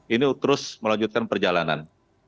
ini terus melanjutkan perjalanan